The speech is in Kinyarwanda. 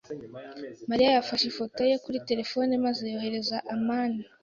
Mariya yafashe ifoto ye kuri terefone maze yoherereza amani.